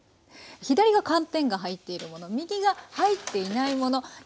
左が寒天が入っているもの右が入っていないもの。